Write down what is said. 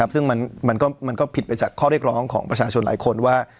ซึ่งมันก็ผิดไปจากข้อเรียกร้องของประชาชนหลายคนว่า